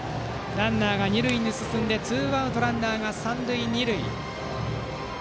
ランナーが二塁に進んでツーアウトランナーが三塁二塁。